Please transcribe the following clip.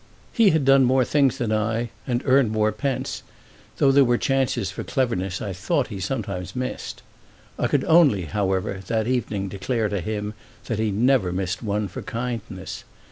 He had done more things than I, and earned more pence, though there were chances for cleverness I thought he sometimes missed. I could only however that evening declare to him that he never missed one for kindness.